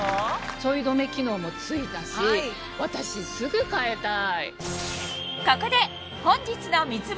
ちょい止め機能も付いたし私すぐかえたい。